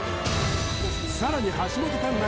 さらに橋本環奈